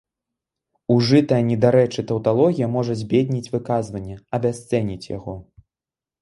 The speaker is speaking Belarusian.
Ужытая недарэчы таўталогія можа збедніць выказванне, абясцэніць яго.